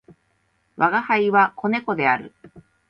吾輩は、子猫である。